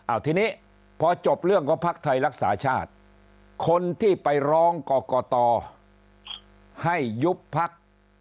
เอาทีนี้พอจบเรื่องก็พักไทยรักษาชาติคนที่ไปร้องกรกตให้ยุบพัก